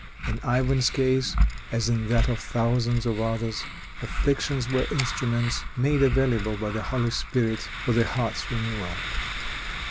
In Ivan's case, as in that of thousands of others, afflictions were instruments made available by the Holy Spirit for the heart's renewal.